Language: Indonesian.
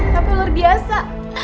tapi ular biasa